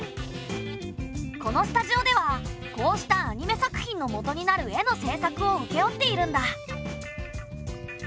このスタジオではこうしたアニメ作品のもとになる絵の制作をうけ負っているんだ。